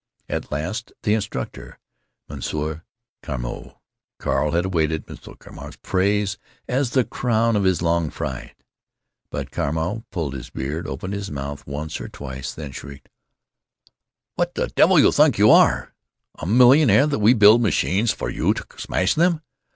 At last the instructor, M. Carmeau. Carl had awaited M. Carmeau's praise as the crown of his long flight. But Carmeau pulled his beard, opened his mouth once or twice, then shrieked: "What the davil you t'ink you are? A millionaire that we build machines for you to smash them?